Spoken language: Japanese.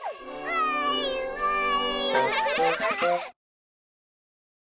わいわい！